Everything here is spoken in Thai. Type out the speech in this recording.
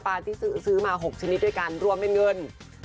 ที่ซื้อมา๖ชนิดด้วยกันรวมเป็นเงิน